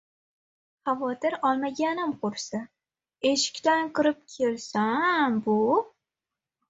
Xavotir olmaganim qursin. Eshikdan kirib kelsam, bu